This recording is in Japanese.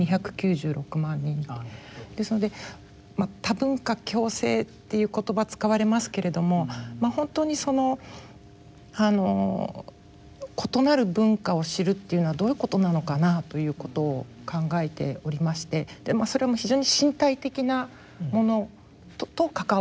ですので「多文化共生」という言葉使われますけれどもほんとにその異なる文化を知るっていうのはどういうことなのかなということを考えておりましてそれは非常に身体的なものと関わっている。